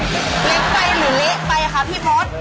เละไปหรือเละไปอะคะพี่มท์